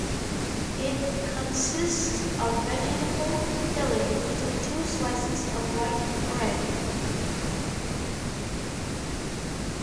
It consists of vegetable filling between two slices of white bread.